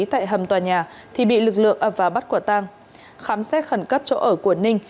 tại hầm tòa nhà thì bị lực lượng ập và bắt quả tang khám xét khẩn cấp chỗ ở của ninh